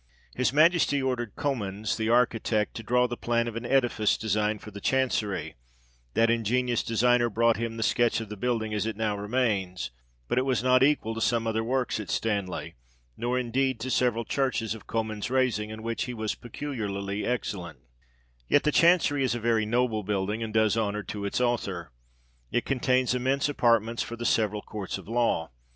His Majesty ordered Comins, the architect, to draw the plan of an edifice designed for the Chancery : that ingenious designer brought him the sketch of the build ing as it now remains ; but it was not equal to some other works at Stanley, nor indeed to several churches of Comins's raising, in which he was peculiarly excel lentYet the Chancery is a very noble building, and does honour to its author. It contains immense apart ments for the several courts of law.